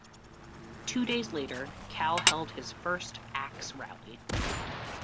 Two days later, Cal held its first Axe Rally.